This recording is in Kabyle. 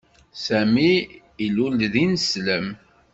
Sami ilul-d d ineslem.